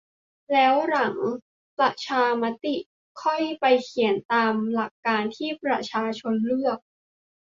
แล้วหลังประชามติค่อยไปเขียนตามหลักการที่ประชาชนเลือก